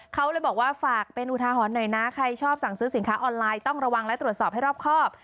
เขาเลยบอกว่าฝากเป็นอุทาหรณ์หน่อยนะใครชอบสั่งซื้อสินค้าออนไลน์ต้องระวังและตรวจสอบให้รอบครอบ